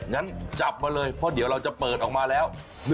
งั้นจับมาเลยเพราะเดี๋ยวเราจะเปิดออกมาแล้ว